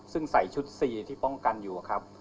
ซึ่งใส่ชุด๔ที่ป้องกันอยู่ครับ